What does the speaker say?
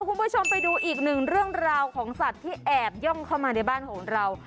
คุณผู้ชมไปดูอีกหนึ่งเรื่องราวของสัตว์ที่แอบย่องเข้ามาในบ้านของเรา